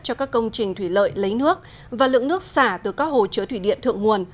cho các công trình thủy lợi lấy nước và lượng nước xả từ các hồ chứa thủy điện thượng nguồn